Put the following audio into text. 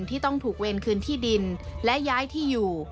ที่ต้องถูกเวรคืนที่ดินและย้ายที่อยู่